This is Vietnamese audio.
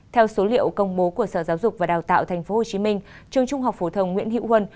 theo số liệu công bố của sở giáo dục và đào tạo tp hcm trường trung học phổ thông nguyễn hữu huân